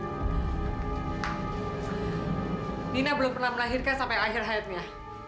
nina belum pernah melahirkan sampai akhir hayatnya